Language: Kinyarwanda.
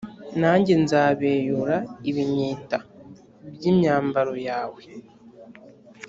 nanjye nzabeyura ibinyita by imyambaro yawe